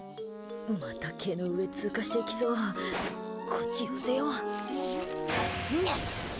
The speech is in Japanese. また毛の上通過していきそうこっち寄せよ。